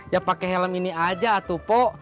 ya pake helm ini aja atuh pok